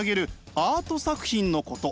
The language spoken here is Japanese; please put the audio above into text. アート作品のこと。